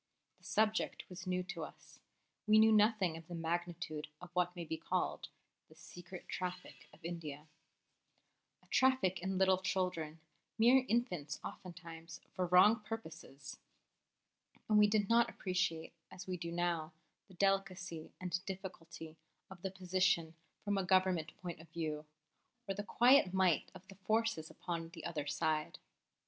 The subject was new to us; we knew nothing of the magnitude of what may be called "The Secret Traffic of India" a traffic in little children, mere infants oftentimes, for wrong purposes; and we did not appreciate, as we do now, the delicacy and difficulty of the position from a Government point of view, or the quiet might of the forces upon the other side.